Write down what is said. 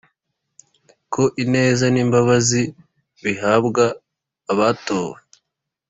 ko ineza n’imbabazi bihabwa abatowe,